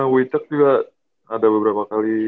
witek juga ada beberapa kali